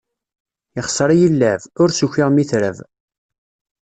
Ixser-iyi llɛeb, ur s-ukiɣ mi trab.